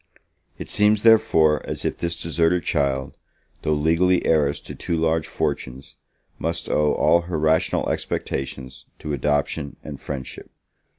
It seems, therefore, as if this deserted child, though legally heiress to two large fortunes, must owe all her rational expectations to adoption and friendship.